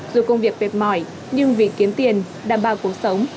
dù công việc mệt mỏi nhưng vì kiếm tiền đảm bảo cuộc sống